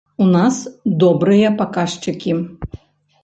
У нас добрыя паказчыкі.